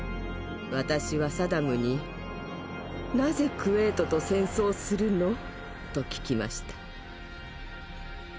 私はサダムに「なぜクウェートと戦争をするの？」と聞きました。